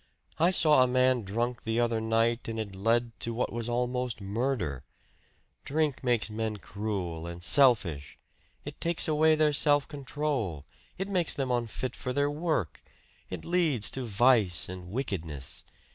I saw a man drunk the other night and it led to what was almost murder. Drink makes men cruel and selfish. It takes away their self control. It makes them unfit for their work. It leads to vice and wickedness.